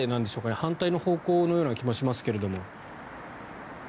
反対の方向のような気もしますけども。